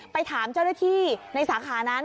ไปถามเจ้าหน้าที่ในสาขานั้น